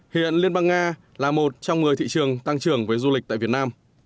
hiện liên bang nga là một trong một mươi thị trường tăng trưởng với du lịch tại việt nam